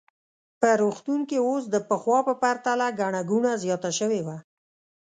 په روغتون کې اوس د پخوا په پرتله ګڼه ګوڼه زیاته شوې وه.